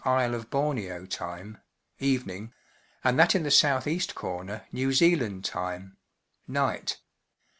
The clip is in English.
Isle of Borneo time (evening), and that in the S.E. corner New Zealand time (night).